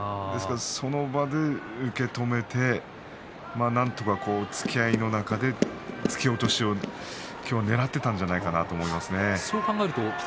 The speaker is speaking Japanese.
その場で受け止めてなんとか突き合いの中で突き落としを今日はねらっていたんじゃないかと思いますね。